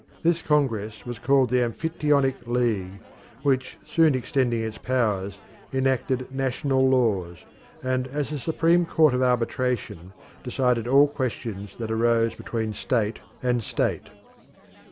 This congress was called the Amphictyonic League, which, soon extending its powers, enacted national laws, and as a supreme court of arbitration decided all questions that arose between state and state.